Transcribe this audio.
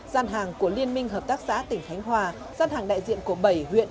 giàn hàng của liên minh hợp tác xã tỉnh khánh hòa giàn hàng đại diện của bảy huyện